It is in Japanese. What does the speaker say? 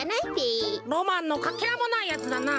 ロマンのかけらもないやつだな。